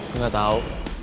gue gak tau